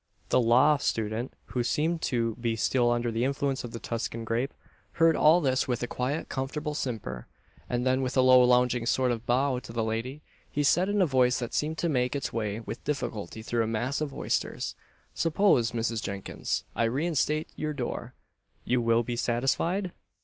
The Law Student, who seemed to be still under the influence of the Tuscan grape, heard all this with a quiet, comfortable simper; and then, with a low lounging sort of bow to the lady, he said in a voice that seemed to make its way with difficulty through a mass of oysters, "Suppose, Mrs. Jinkins, I reinstate your door you will be satisfied?"